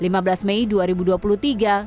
lima belas mei dua ribu dua puluh tiga kecamatan mas ria